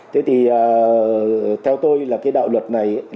thế thì theo tôi là cái đạo luật này